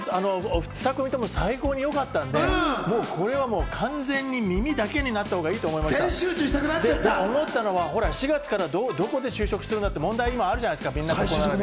２組とも最高に歌がよかったんで、これはもう、完全に耳だけになったほうがいいと思って、４月からどこで就職するかって問題がみんな、あるじゃないですか。